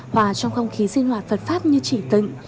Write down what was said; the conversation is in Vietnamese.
hòa trong không khí sinh hoạt phật pháp như chỉ tượng